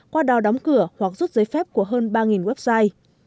qua đó đóng cửa hoặc rút giấy phép của hơn ba website